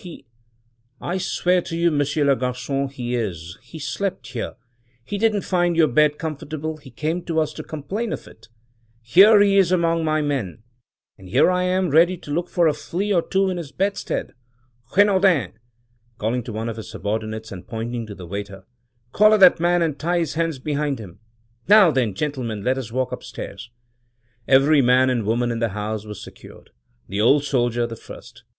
he —" "I swear to you, Monsieur le Garcon, he is. He slept here — he didn't find your bed comfortable — he came to us to complain of it — here he is among my men — and here am I ready to look for a flea or two in his bedstead. Renaudin! (calling to one of the subordinates, and pointing to the waiter) collar that man and tie his hands behind him. Now, then, gentlemen, let us walk upstairs!" Every man and woman in the house was secured — the "Old Soldier" the first.